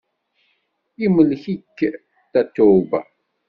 Yemlek-ik Tatoeba.